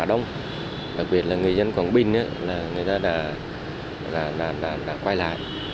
đặc biệt là người dân quảng bình đã quay lại